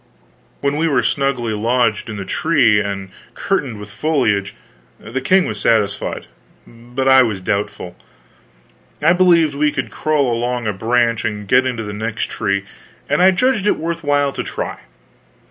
When we were snugly lodged in the tree and curtained with foliage, the king was satisfied, but I was doubtful. I believed we could crawl along a branch and get into the next tree, and I judged it worth while to try.